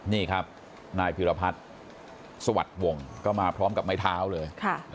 นี่ครับนายพิรพัฒน์สวัสดิ์วงก็มาพร้อมกับไม้เท้าเลย